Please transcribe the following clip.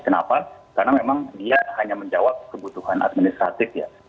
kenapa karena memang dia hanya menjawab kebutuhan administratif ya